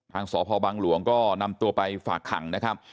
ทางสพบังหลวงก็นำตัวไปฝากขังนะครับ